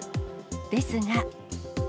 ですが。